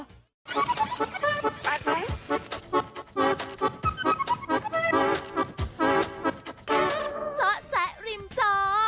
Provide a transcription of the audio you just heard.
เจ้าแจ๊กริมจอ